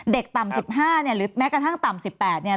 เด็กต่ำสิบห้าเนี่ยหรือแม้กระทั่งต่ำสิบแปดเนี่ย